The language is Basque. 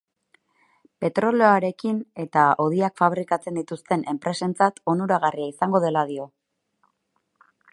Petroleoarekin eta hodiak fabrikatzen dituzten enpresentzat onuragarria izango dela dio.